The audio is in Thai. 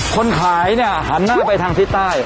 คนขายเนี่ยหันหน้าไปทางทิศใต้